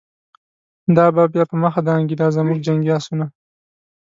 دا به بیا په مخه دانګی، دازموږ جنګی آسونه